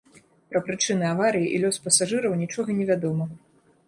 Пра прычыны аварыі і лёс пасажыраў, нічога невядома.